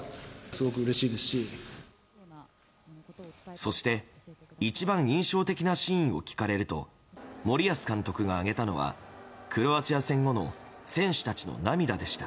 そして一番印象的なシーンを聞かれると森保監督が挙げたのはクロアチア戦後の選手たちの涙でした。